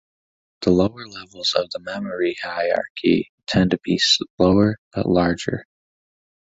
The lower levels of the memory hierarchy tend to be slower, but larger.